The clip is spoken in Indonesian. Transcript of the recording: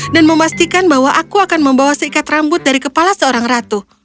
dan memastikan bahwa aku akan membawa seikat rambutnya